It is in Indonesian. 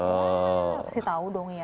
pasti tau dong ya